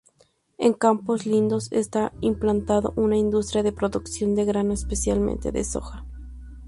En Campos Lindos está implantado una industria de producción de grano, especialmente de soja.